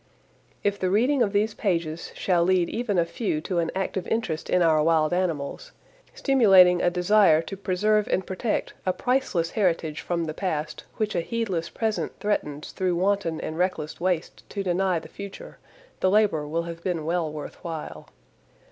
If the reading of these pages shall lead even a few to an active interest in our wild animals, stimulating a desire to preserve and protect a priceless heritage from the past which a heedless present threatens through wanton and reckless waste to deny the future, the labor will have been well worth while.